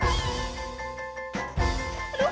dia semua dia